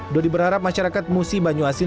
dodi berharap masyarakat musi banyuasin